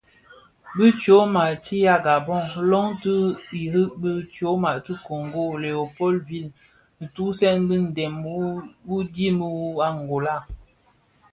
Bi tyoma ti a Gabon loň ti irig bi tyoma ti a Kongo Léo Paul Ville zugtèn bi ndem wu dhim wu a Angola.